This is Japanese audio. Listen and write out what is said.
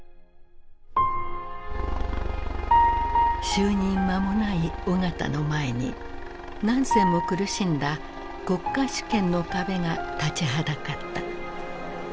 就任間もない緒方の前にナンセンも苦しんだ国家主権の壁が立ちはだかった。